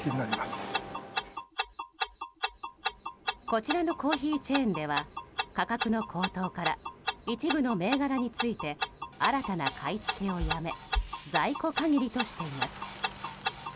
こちらのコーヒーチェーンでは価格の高騰から一部の銘柄について新たな買い付けをやめ在庫限りとしています。